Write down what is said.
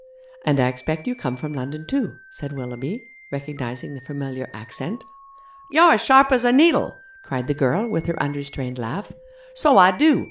'And I expect you come from London too?' said Willoughby, recognizing the familiar accent. 'You're as sharp as a needle,' cried the girl with her unrestrained laugh; 'so I do.